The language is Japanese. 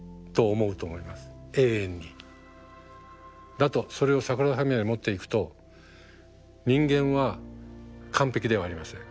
だとそれをサグラダ・ファミリアに持っていくと人間は完璧ではありません。